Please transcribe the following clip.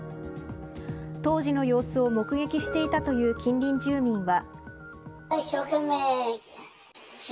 当時の様子を目撃していたという近隣住民は。